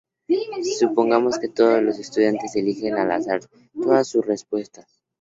Supongamos que todos los estudiantes eligen al azar todas sus respuestas.